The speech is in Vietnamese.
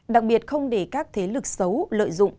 đặc biệt không để các thế lực xấu lợi dụng